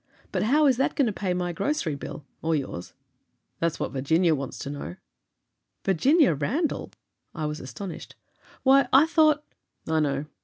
But how is that going to pay my grocery bill or yours?" "That's what Virginia wants to know." "Virginia Randall!" I was astonished. "Why, I thought " "I know.